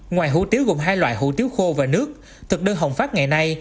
ngoài hủ tiếu gồm hai loại hủ tiếu khô và nước thực đơn hồng pháp ngày nay